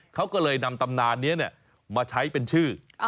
เขาก็เลยนำตำนานนี้มาใช้เป็นชื่อ